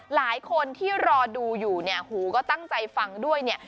หลายคนที่รอดูอยู่เนี่ยหูก็ตั้งใจฟังด้วยเนี่ย